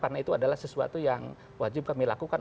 karena itu adalah sesuatu yang wajib kami lakukan